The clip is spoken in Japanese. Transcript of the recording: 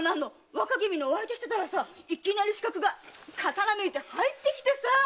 若君のお相手してたらいきなり刺客が刀抜いて入ってきてさあ！